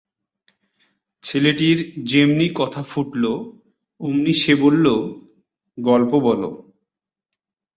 ছেলেটির যেমনি কথা ফুটল অমনি সে বলল, “গল্প বলো”।